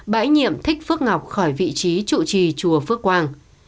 bãi nhiệm thích phước ngọc khỏi vị trí chủ trì chùa phước quang